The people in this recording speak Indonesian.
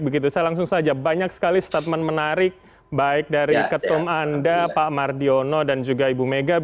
begitu saya langsung saja banyak sekali statement menarik baik dari ketum anda pak mardiono dan juga ibu mega